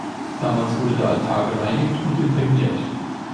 Damals wurde der Altar gereinigt und imprägniert.